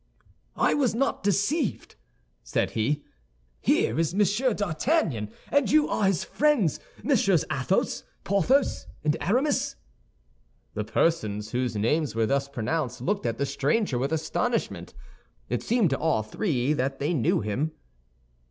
"I was not deceived," said he; "here is Monsieur d'Artagnan; and you are his friends, Messieurs Athos, Porthos, and Aramis." The persons whose names were thus pronounced looked at the stranger with astonishment. It seemed to all three that they knew him.